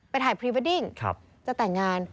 ถ่ายพรีเวดดิ้งจะแต่งงาน